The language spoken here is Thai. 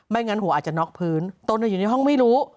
งั้นหัวอาจจะน็อกพื้นตนอยู่ในห้องไม่รู้